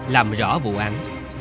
làm rõ vụ án